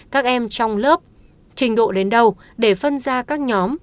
các em trong lớp trình độ đến đâu để phân ra các nhóm